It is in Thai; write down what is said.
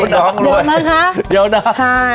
เดี๋ยวนะคะ